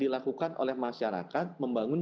dilakukan oleh masyarakat membangun